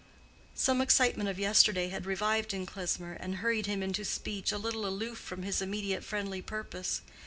Some excitement of yesterday had revived in Klesmer and hurried him into speech a little aloof from his immediate friendly purpose.